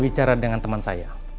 bicara dengan teman saya